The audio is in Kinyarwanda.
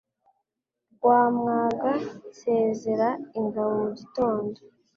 Rwamwaga nsezera ingabo mugitondo